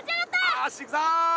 よし行くぞ。